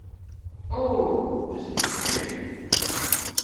Oh ! je suis sûr…